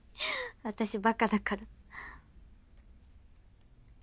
私バカだから。